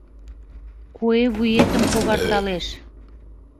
Куэ вуетым когарталеш.